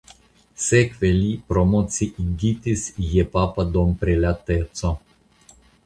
Sekve li promociigitis je papa domprelateco.